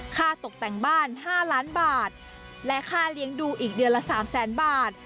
ค่าตกแต่งบ้าน๕ล้านบาทและค่าเลี้ยงดูอีกเดือนละ๓แสนบาท